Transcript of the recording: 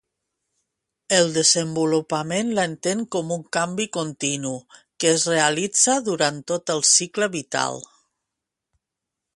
El desenvolupament l'entén com un canvi continu que es realitza durant tot el cicle vital.